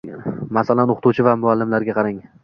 Masalan, o‘qituvchi va muallimlarga qarang.